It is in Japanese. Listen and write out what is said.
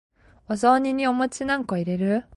お雑煮にお餅何個入れる？